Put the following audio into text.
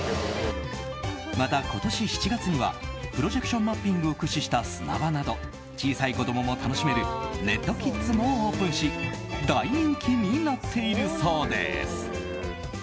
また、今年７月にはプロジェクションマッピングを駆使した砂場など小さい子供も楽しめるＲＥＤ゜ＫＩＤＳもオープンし大人気になっているそうです。